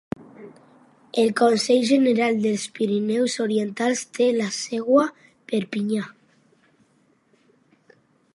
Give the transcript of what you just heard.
El Consell General dels Pirineus Orientals té la seu a Perpinyà.